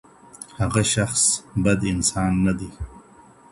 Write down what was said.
هغه شخص بد انسان نه دی.